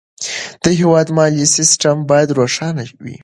د هېواد مالي سیستم باید روښانه وي.